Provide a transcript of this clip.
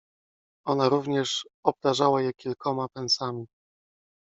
Ona również obdarzała je kilkoma pensami…